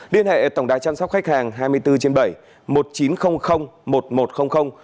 liên hệ tổng đài chăm sóc khách hàng hai mươi bốn trên bảy